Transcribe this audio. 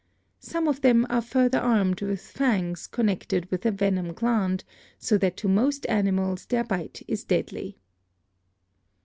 Some of them are further armed with fangs con nected with a venom gland, so that to most animals their bite is deadly.